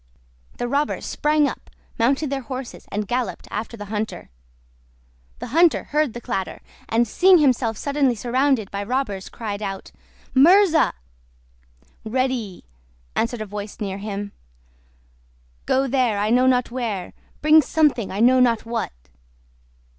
The robbers sprang up, mounted their horses, and galloped after the hunter. The hunter heard the clatter, and seeing himself suddenly surrounded by robbers, cried out— "Murza!" "Ready!" answered a voice near him. "Go there, I know not where; bring something, I know not what."